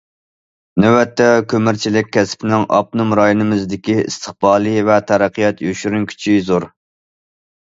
نۆۋەتتە، كۆمۈرچىلىك كەسپىنىڭ ئاپتونوم رايونىمىزدىكى ئىستىقبالى ۋە تەرەققىيات يوشۇرۇن كۈچى زور.